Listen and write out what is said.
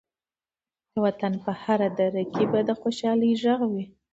د وطن په هره دره کې به د خوشحالۍ غږ وي.